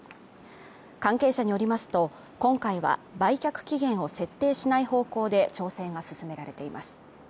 関係者によりますと、今回は売却期限を設定しない方向で調整が進められています。